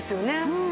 うん。